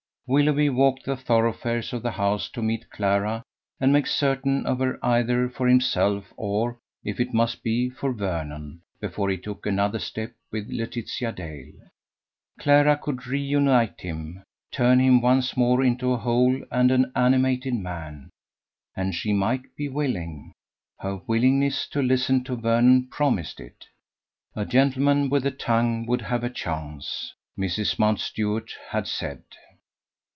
Willoughby walked the thoroughfares of the house to meet Clara and make certain of her either for himself, or, if it must be, for Vernon, before he took another step with Laetitia Dale. Clara could reunite him, turn him once more into a whole and an animated man; and she might be willing. Her willingness to listen to Vernon promised it. "A gentleman with a tongue would have a chance", Mrs. Mountstuart had said.